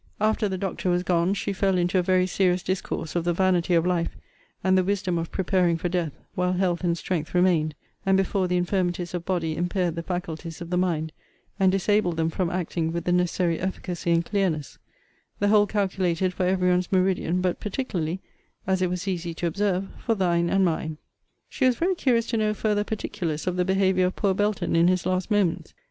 After the doctor was gone, she fell into a very serious discourse of the vanity of life, and the wisdom of preparing for death, while health and strength remained, and before the infirmities of body impaired the faculties of the mind, and disabled them from acting with the necessary efficacy and clearness: the whole calculated for every one's meridian, but particularly, as it was easy to observe, for thine and mine. She was very curious to know farther particulars of the behaviour of poor Belton in his last moments.